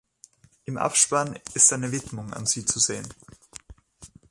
Im Abspann ist eine Widmung an sie zu sehen.